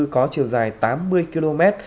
có chiều dài tám mươi km